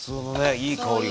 いい香りが。